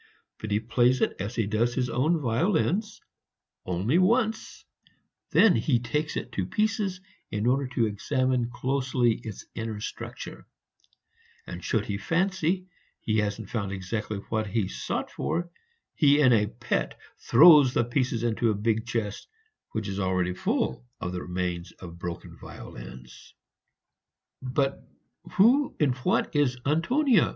But he plays it as he does his own violins, only once; then he takes it to pieces in order to examine closely its inner structure, and should he fancy he hasn't found exactly what he sought for, he in a pet throws the pieces into a big chest, which is already full of the remains of broken violins." "But who and what is Antonia?"